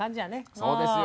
そうですよ。